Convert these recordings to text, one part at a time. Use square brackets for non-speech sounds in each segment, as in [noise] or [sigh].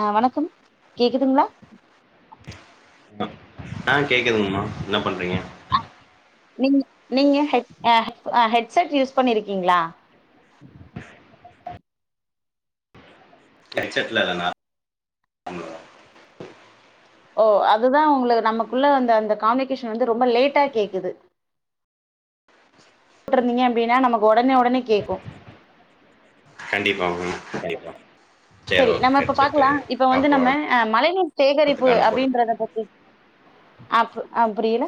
ஆ வணக்கம் கேக்குதுங்களா ஆ கேக்குதுங்கம்மா என்ன பண்றீங்க நீங் நீங்க ஹெட் ஆ ஹெட்செட் யூஸ் பண்ணிருக்கீங்களா ஹெட்செட்ல்லதானா ஓ அதுதா உங்களுக்கு நமக்குள்ள வந்த அந்த த காம்மிகேஷன் வந்து ரொம்ப லேட்டா கேக்குது கூட்டிருந்தீங்க அப்டினா நமக்கு ஒடனே ஒடனே கேக்கு கண்டிப்பாங்க கண்டிப்பா செரி நம்ம இப்ப பாக்கலா இப்ப வந்து நம்ம மழை நீர் அடுத்த சேகரிப்பு காலில் போட்டு அப்டின்றத பத்தி அப் அ புரியல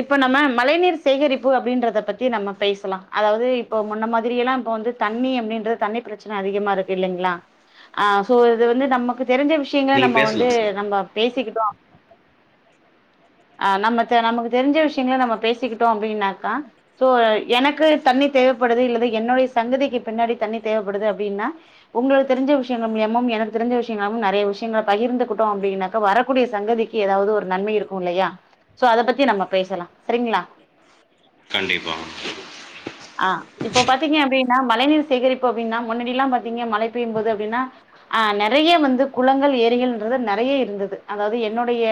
இப்ப நம்ம மழை நீீர் சேகரிப்பு அப்டின்றத பத்தி நம்ம பேசலா அதாவது இப்ப முன்ன மாதிரிலா இப்ப வந்து தண்ணி அப்டின்றது தண்ணி பிரச்சன அதிகமாருக்கு இல்லைங்ளா ஆ சோ இது வந்து நமக்கு தெரிஞ்ச விஷ்யங்கள நீங்கள் நம்ம வந்து பேசலாம் நம்ம பேசிக்கிட்டோ ஆ நம்ம நமக்கு தெரிஞ்ச விஷ்யங்கள நம்ம பேசிக்கிட்டோ அப்டின்னாக்கா சோ எனக்கு தண்ணி தேவப்படுது இல்லது என்னுடைய சங்கதிக்கு பின்னாடி தண்ணி தேவப்படுது அப்டினா உங்ளுக்கு தெரிஞ்ச விஷ்யங்கள் முளைமும் எனக்கு தெரிஞ்ச விஷ்யங்ளமு நிறய விஷ்யங்கள பகிர்ந்துக்கிட்டோ அப்டின்னாக்கா வரக்கூடிய சங்கதிக்கு ஏதாவது ஒரு நன்மைருக்கு இல்லையா சோ அத பத்தி நம்ம பேசலா சரிங்ளா கண்டிப்பா ஆ இப்போ பாத்தீங்க அப்டினா மழைநீர் சேகரிப்பு அப்டினா முன்னாடிலா பாத்தீங்க மழை பெய்யு போது அப்டினா ஆ நிறைய வந்து குளங்கள் ஏரிகள்ன்றது நிறைய இருந்தது அதாவது என்னுடைய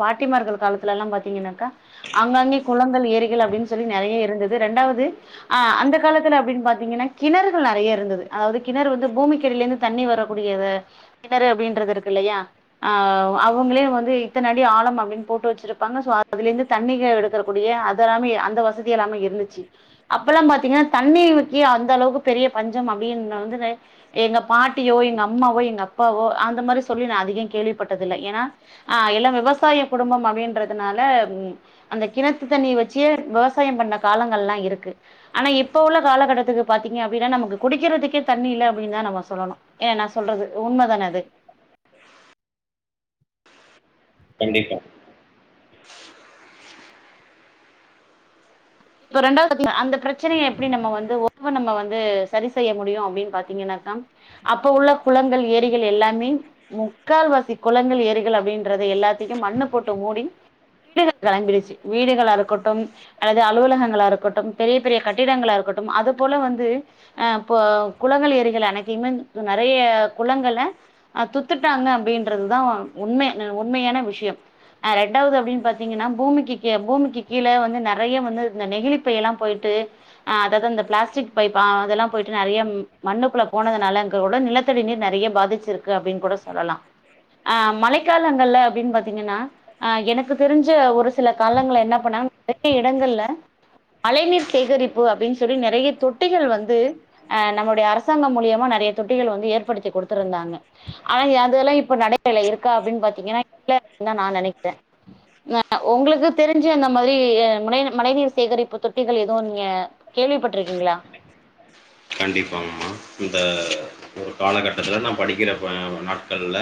பாட் ட்டிமார்கள் காலத்துலலா பாத்திங்கனாக்கா அங்கங்கே குளங்கள் ஏரிகள் அப்டின் சொல்லி நிறைய இருந்தது ரெண்டாவது ஆ அந்த காலத்துல அப்டின் பாத்தீங்கனா கிணறுகள் நிறைய இருந்தது அதாவது கிணறு வந்து பூமிக்கடிலருந்து தண்ணி வரக்கூடிய கிணறு அப்டின்றதுருக்கு இல்லையா ஆ அவங்ளே வந்து இத்தனடி ஆழ அப்டி போட்டு வச்சுருப்பாங்க சோ அதுலருந்து தண்ணி எடுக்கக்கூடிய அதெல்லா அந்த வசதி எல்லாமே இருந்துச்சு அப்பெல்லா பாத்தீங்கனா தண்ணிக் அந்தளவுக்கு பெரிய பஞ்சம் அப்டின்னு வந்து எங்க பாட்டியோ எங்க அம்மாவோ எங்க அப்பாவோ அந்த மாரி சொல்லி நா அதிகம் கேள்விப்பட்டதில்ல ஏனா அ எல்லா விவசாயம் குடும்பம் அப்டின்றதுனால உம் அந்த கிணத்து தண்ணி வச்சே விவசாயம் பண்ண காலங்கள்லா இருக்கு ஆனா இப்ப உள்ள காலகட்டத்துக்கு பாத்தீங்க அப்டினா நமக்கு குடிக்கிறதுக்கே தண்ணி இல்ல அப்டின்தா நம்ம சொல்லணும் ஏ நா சொல்றது உண்மதான அது கண்டிப்பா இப்ப ரெண்டாவது பாத்தீங்னா அந்த பிரச்சனைய எப்டி நம்ம வந்து நம்ம வந்து ஒவ்வொனு நம்ம வந்து சரி செய்ய முடியும் அப்டின் பாத்தீங்கனாக்கா அப்ப உள்ள குளங்கள் ஏரிகள் எல்லாமே முக்கால்வாசி குளங்கள் ஏரிகள் அப்டின்றத எல்லாத்தையும் மண்ணு போட்டு மூடி வீடுகள் கிளம்பிடுச்சு வீடுகள் அறுக்கட்டும் அல்லது அலுவலகங்ளா இருக்கட்டும் பெரிய பெரிய கட்டிடங்களா இருக்கட்டும் அது போல வந்து அ போ குளங்கள் ஏரிகள் அனைத்தையுமே நறைய குளங்கள அ துத்துட்டாங்க அப்டின்றதுதா உண்மை ன உண்மையான விஷ்யம் ரெண்டாவது அப்டின் பாத்தீங்கனா பூமிக்கு கீ பூமிக்கு கீழ வந்து நறைய வந்து இந்த நெகிழிப்பைலா போயிட்டு அ அதாது அந்த பிளாஸ்டிக் பைப்ப அதெல்லா போயிட்டு நறைய மண்ணுக்குள்ள போனதுனால அங்க உள்ள நிலத்தடி நீர் நறைய பாதிச்சிருக்கு அப்டின் கூட சொல்லலாம் அ மழைக்காலங்கள்ல அப்டின் பாத்தீங்கனா அ எனக்கு தெரிஞ்ச ஒரு சில காலங்கள் என்ன பண்ணாங்க நறைய இடங்கள்ல மழைநீர் சேகரிப்பு அப்டின் சொல்லி நறைய தொட்டிகள் வந்து அ நம்முடைய அரசாங்கம் மூலியமா நறைய தொட்டிகள் வந்து ஏற்படுத்தி கொடுத்துருந்தாங்க ஆனா அதெல்லா இப்ப நடைமுறைல இருக்கா அப்டின் பாத்தீங்கனா இல்ல அப்டின்தா நா நினைக்கிற ஆ உங்ளுக்கு தெரிஞ்சு அந்த மாரி அ மழைநீ மழைநீர் செ சேகரிப்பு தொட்டிகள் எதுவும் நீங்க கேள்விப்பட்டிருக்கீங்ளா கண்டிப்பாங்மா இந்த ஒரு காலகட்டத்துல நா படிக்கிறப்ப நாட்கள்ல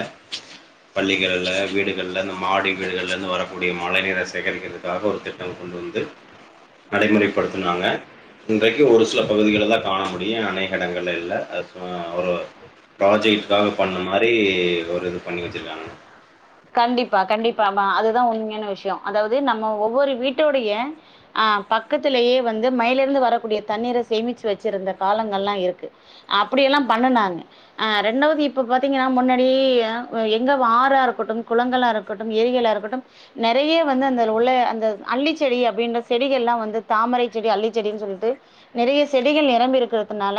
பள்ளிகள்ல வீடுகள்ல இந்த மாடி வீடுகள்லருந்து வரக்கூடிய மழை நீர சேகரிக்கிறது க்காக ஒரு திட்டம் கொண்டு வந்து நடைமுறைப்படுத்துனாங்க இன்றைக்கு ஒரு சில பகுதிகளதா காண மு டியு அணேக இடங்கள்ல இல்ல சோ அ ஒரு ப்ராஜெக்ட்க்காக பண்ண மாரி ஒரு இது பண்ணி வச்சிருகாங்க கண்டிப்பா கண்டிப்பா மா அதுதா உண்மையான விஷ்யோ அதாவது நம்ம ஒவ்வொரு வீட்டோடைய அ பக்கத்திலேயே வந்து மயிலிருந்து வரக்கூடிய தண்ணீர சேமிச்சு வச்சிருந்த காலங்கள்லா இருக்கு அப்டியெல்லாம் பண்ணனாங்க அ ரெண்டாவது இப்ப பாத்தீங்கனா முன்னாடி எ எங்க வாராருக் கட்டும் குளங்களா இருக்கட்டும் ஏரிகளா இருக்கட்டும் நறைய வந்து அந்த உள்ள அந்த அள்ளி செடி அப்டின்ற செடிகள்லா வந்து தாமரை செடி அள்ளி செடின் சொல்லிட்டு நறைய செடிகள் நிரம்பிருக்றதுனால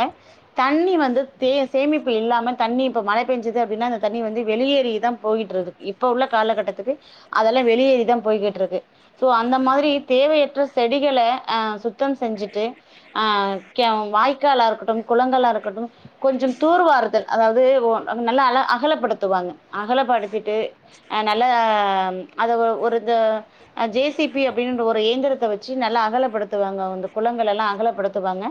தண்ணி வந்து தே சேமிப்பு இல்லாம தண்ணி இப்ப மழை பேஞ்சது அப்டினா அந்த தண்ணி வந்து வெளியேறிதா போயிட்ருக் இப்போ உள்ள காலகட்டத்துக்கு அதெல்லா வெளியேறிதா போய்கிட்ருக்கு சோ அந்த மாரி தேவையற்ற செடிகள அ சுத்தம் செஞ்சுட்டு ஆ கெ வாய்க்காலாருக்கட்டும் குளங்களா இருக்கட்டும் கொஞ்சம் தூர்வாரதல் அதாவது ஒன் நல்லா அழ அகலப்படுத்துவாங்க அகலப்படுத்திட்டு அ நல்லாம் அத ஒரு ஒரு த அ ஜே சி பி அப்டின்ற ஒரு இயந்திரத்த வச்சு நல்லா அகலப்படுத்துவாங்க அந்த குளங்கலலா அகலப்படுத்துவாங்க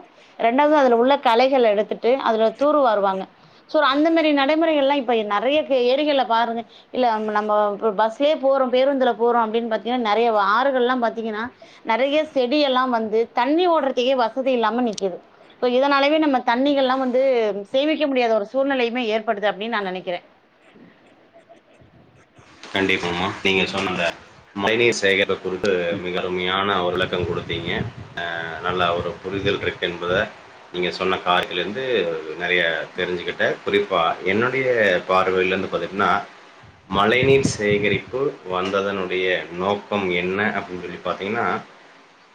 ரெண்டாவது அதுல உள்ள கலைகள எடுத்துட்டு அதுல தூருவாருவாங்க சோ அந்த மேரி நடைமுறைகள்லா இப்ப நறைய ஏரிகள்ல பாருங்க இல்ல நம்ம பஸ்லயே போறோம் பேருந்துல போறோம் அப்டின் பாத்தீங்கனா நறைய ஆறுகள்லாம் பாத்தீங்கனா நிறைய செடியல்லாம் வந்து தண்ணி ஓடுறக்கேயே வசதி இல்லாம நிக்குது சோ இதனாலவே நம்ம தண்ணிகள்லா வந்து சேமிக்க முடியாத ஒரு சூழ்நிலையுமே ஏற்படுது அப்டின் நா நனைக்கிற கண்டிப்பமா நீங்க சொன்ன ந்த மழைநீர் சேகரிப்பு குறித்து மிக அருமையான ஒரு விளக்கம் குடுத்தீங்க நல்ல ஒரு புரிதல் கிடைக்கென்பத நீங்க சொன்ன காரிலிருந்து நறைய தெரிஞ்சுக்கிட்ட குறிப்பா என்னுடைய பார்வைலந்து பாத்தீங்னா மழை நீர் சேகரிப்பு வந்ததனுடைய நோக்கம் என்ன அப்டின் சொல்லி பாத்தீங்னா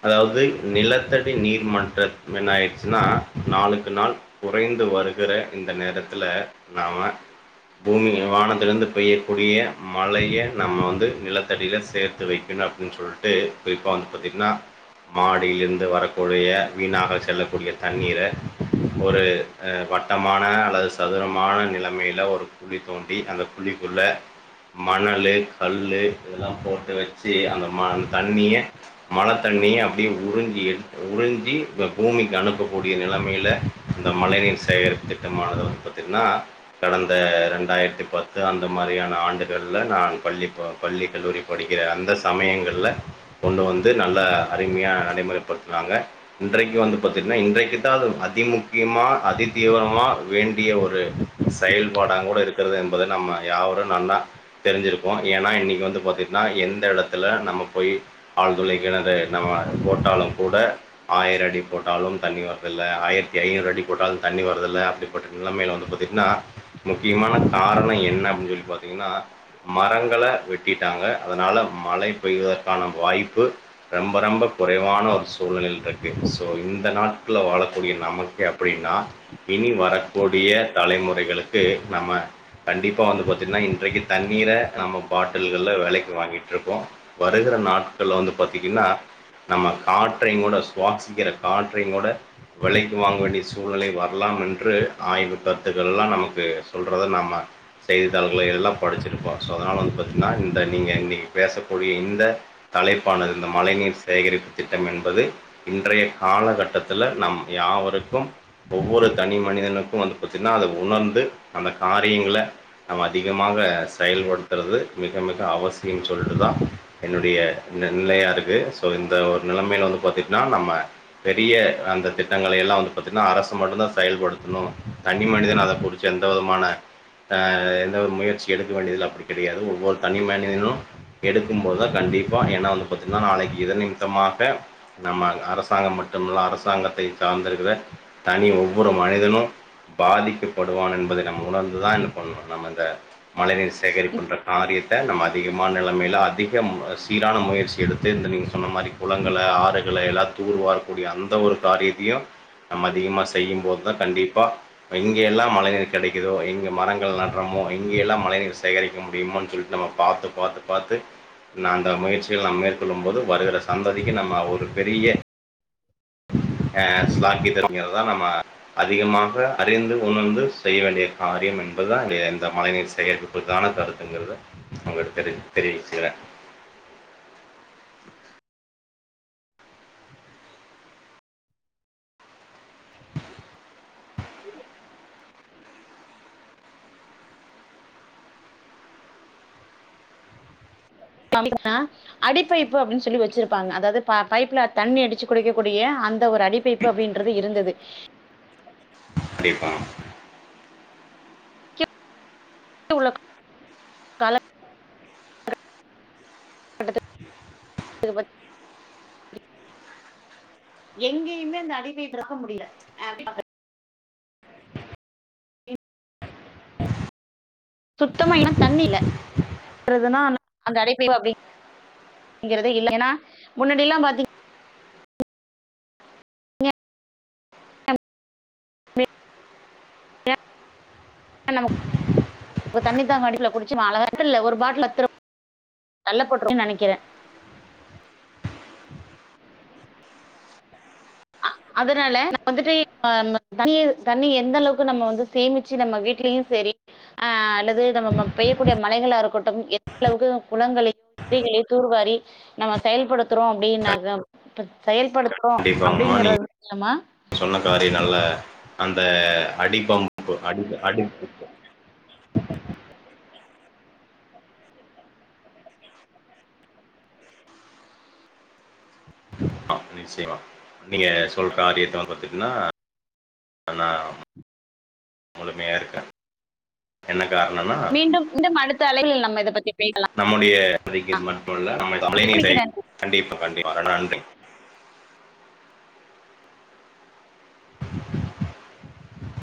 அதாவது நிலத்தடி நீர்மன்ற என்னாயிடுச்சுனா நாளுக்கு நாள் குறைந்து வருகிற இந்த நேரத்துல நாம பூமியு வானத்லந்து பெய்யக்கூடிய மழைய நம்ம வந்து நிலத்தடியில சேத்து வைக்கணு அப்டின் சொல்ட்டு குறிப்பாக வந்து பாத்திங்னா மாடியிலிந்து வரக்கூடிய வீணாக செல்லக்கூடிய தண்ணீர ஒரு அ வட்டமான அல்லது சதுரமான நிலைமையில ஒரு குழி தோண்டி அந்த குழிக்குள்ள மணலு கல்லு இதெல்லா போட்டு வச்சி அந்த மண் தண்ணியே மழத்தண்ணியே அப்டியே உறிஞ்சி எடுத் உறிஞ்சி பூமிக்கு அனுப்பக்கூடிய நிலமைல இந்த மழை நீர் சேகரிப்பு திட்டமானது வந்து பாத்திங்னா கடந்த ரெண்டாயிரத்து பத்து அந்த மாரியான ஆண்டு கள்ல நா பள்ளி பள்ளி கல்லூரி படிக்கிற அந்த சமயங்கள்ல ஒண்ணு வந்து நல்ல அருமையா நடைமுறைப்படுத்னாங்க இன்றைக்கு வந்து பாத்தீங்னா இன்றைக்குத்தா அது அதி முக்கியமா அதிதீவிரமா வேண்டிய ஒரு செயல்பாடாங்கூட இருக்கிறது என்பத நம்ம யாவரும் நல்லா தெரிஞ்சிருப்போம் ஏனா இன்னைக்கு வந்து பாத்திட்னா எந்த எடத்துல நம்ம போய் ஆழ்துளை கிணறு நம்ம போட்டாலும் கூட ஆயிர அடி போட்டாலும் தண்ணி வரதில்ல ஆயிரத்தி ஐநூறு அடி போட்டாலும் தண்ணி வரதுல அப்டி பட்ட நிலமைல வந்து பாத்திட்னா முக்கியமான காரணம் என்ன அப்டின் சொல்லி பாத்தீங்னா மரங்கள வெட்டிடாங்க அதனால மழை பெய்வதற்கான வாய்ப்பு ரொம்ப ரொம்ப குறைவான ஒரு சூழ்நிலைல்ருக்கு சோ இந்த நாட்கள்ல வாழக்கூடிய நமக்கு அப்டினா இனி வரக்கூடிய தலைமுறைகளுக்கு நம்ம கண்டிப்பா வந்து பாத்தீங்னா இன்றைக்கு தண்ணீர நம்ம பாட்டில்கள்ல வெலைக்கு வாங்கிட்ருக்கோம் வருகிற நாட்கள்ல வந்து பாத்தீங்னா நம்ம காற்றைங்கூட சுவாசிக்கிற காற்றையுங்கூட வெலைக்கு வாங்க வேண்டிய சூழ்நிலை வரலாம் என்று ஆய்வு கருத்துகள்லாம் நமக்கு சொல்றத நாம செய்தித்தாள்கள் எல்லாம் பா சோ அதனால வந்து பாத்தீங்னா இந்த நீங்க இன்னைக்கு பேசக்கூடிய இந்த தலைப் பானது இந்த மழை நீர் சேகரிப்பு திட்டம் என்பது இன்றைய காலகட்டத்ல நம் யாவருக்கும் ஒவ்வொரு தனி மனிதனுக்கும் வந்து பாத்தினா அத உணர்ந்து அந்த காரியங்கள நம் அதிகம் மாக செயல்படுத்தறது மிக மிக அவசியம் சொல்ட்டுதா என்னுடைய நெல்லையாருக்கு சோ இந்த ஒரு நிலமைல வந்து பாத்திட்னா நம்ம பெரிய அந்த திட்டங்களையெல்லா வந்து பாத்திட்னா அரசு மட்டுந்தா செயல்படுத்ணும் தனி மனிதன் அத புடிச்ச எந்த விதமான அ எந்தவித முயற்ச சி எடுக்க வேண்டியதில அப்டி கிடையாது ஒவ்வொரு தனி மனிதனு எடுக்கும்போதா கண்டிப்பா எனா வந்து பாத்தீங்கன்னா நாளைக்கு இத நிமித்தமாக நம்ம அரசாங்கம் மட்டுமல்ல அரசாங்கத்தை சார்ந்திருக்கிற தனி ஒவ்வொரு மனிதனும் பாதிக்கப்படுவான் என்பதை நம் உணர்ந்து தா என் பண்ணணும் நம்ம இந்த மழைநீர் சேகரிப்புன்ற காரியத்த நம்ம அதிகமான நெலமைல அதிக சீரான முயற்சி எடுத்து இந்த நீங்க சொன்ன மாரி குளங்கள ஆறுகள எல்லாம் தூர் வாரக்கூடிய அந்த ஒரு காரியத்தையும் நம்ம அதிகமா செய்யும்போது தான் கண்டிப்பா எங்கல்லாம் மழை கெடைக்குதோ எங்க மரங்கள் நடறமோ எங்க எங்கேல்லாம் மழை நீர் சேகரிக்க முடியும்ன்னு சொல்லிட்டு நம்ம பாத்து பாத்து பாத்து நா அந்த முயற்சிகள் நம்ம மேற்கொள்ளும் போது வருகிற சந்ததிக்கு நம்ம ஒரு பெரிய அஹ் ஆக்சுவலா இத எல்லாம் நம்ம அதிகமாக அறிந்து உணர்ந்து செய்ய வேண்டிய காரியம் என்பதுதான் இந்த மழைநீர் சேகரிப்புக்கான கருத்துங்கிறத நா உங்க கிட்ட தெரி தெரி ஆ அடிப்பைப்பு அப்படின்னு சொல்லி வச்சிருப்பாங்க அதாவது ப பைப்புல தண்ணி அடிச்சு குடுக்க குடிய அந்த ஒரு அடிப்பைப்பு அப்படின்றது இருந்தது ப்பாம் உள்ள கா கால [unintelligible] எங்கேயுமே அந்த அடிபைப்பு இருக்க முடியல சுத்தமா ஏன்னா தண்ணி இல்ல தண்ணி இல்ல அப்படிங்கரதுனா அங்க அடைப்ப அப்ப அப்பங்கறத இல்ல ஏன்னா முன்னாடி எல்லாம் பாத்தீங்க [inaudible] தண்ணி தா அங்க அடிப்புல குடிச்ச அழகாத்து ஒரு பாட்டில் பத்துரு கள்ள போட்டுன்னு நினைக்கிறே அதனால நம்ம வந்துட்டு தண்ணி தண்ணி எந்த அளவுக்கு நம்ம வந்து சேமிச்சு நம்ம வீடலயும் சரி அஹ் அல்லது நம்ம பெய்யக்கூடிய மழைகளா இருக்கட்டும் எந்த அளவுக்கு குளங்களையும் ஏறிகளையும் தூர்வாரி நம்ம செயல்படுத்துறோ அப்படின்னா செயல் படுத்துரோ ங்கமா நீங் சொன்ன காரியங்கல்ல அந்த த அடிபம்ப்பு அடி அடிக் ஆ நிச்சயமா நீங்க சொல்ற ஆ ஏத்தவிர பாத்தங்கன்னா அதான் முழுமையா இருக்கே என்ன காரணம்னா மீண்டும் மீண்டும் அடுத்த அலைகளில் நம்ம இதை பத்தி பேசலாம் நம்முடைய மட்டும் இல்ல நம்மலே நினைக்கிறேன் கண்டிப்பா கண்டிப்ப நன்றி